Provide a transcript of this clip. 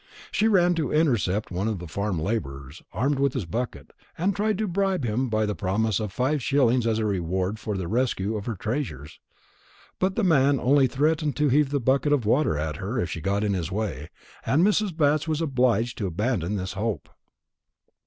She ran to intercept one of the farm labourers, armed with his bucket, and tried to bribe him by the promise of five shillings as a reward for the rescue of her treasures. But the man only threatened to heave the bucket of water at her if she got in his way; and Miss Batts was obliged to abandon this hope.